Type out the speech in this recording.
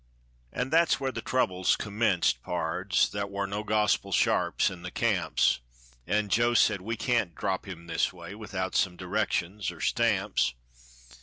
An' thar's whar the trouble commenced, pards. Thar war no gospel sharps in the camps, An' Joe said, "We can't drop him this way, Without some directions or stamps."